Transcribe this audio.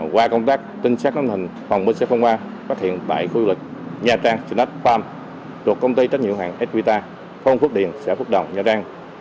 qua công tác tinh sát nắm hình phòng bến xe phong hoa phát hiện tại khu du lịch nha trang snack farm thuộc công ty trách nhiệm hàng esquita phòng phước điền xã phúc đồng nha trang